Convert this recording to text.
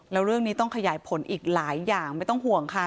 แล้วเรื่องนี้ต้องขยายผลอีกหลายอย่างไม่ต้องห่วงค่ะ